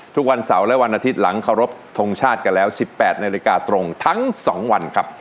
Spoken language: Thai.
ทุกวันเสาร์และวันอาทิตย์หลังเคารพทงชาติกันแล้ว๑๘นาฬิกาตรงทั้ง๒วันครับ